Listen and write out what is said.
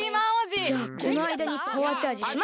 じゃあこのあいだにパワーチャージしますか！